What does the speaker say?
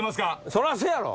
そらそやろ。